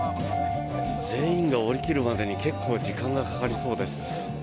全員が降り切るまでに結構時間がかかりそうです。